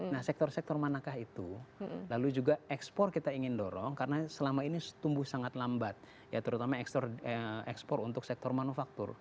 nah sektor sektor manakah itu lalu juga ekspor kita ingin dorong karena selama ini tumbuh sangat lambat ya terutama ekspor untuk sektor manufaktur